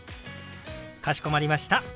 かしこまりました。